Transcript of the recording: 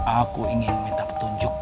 aku ingin minta petunjuk